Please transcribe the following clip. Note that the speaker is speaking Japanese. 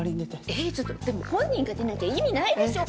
えーちょっとでも本人が出なきゃ意味ないでしょ！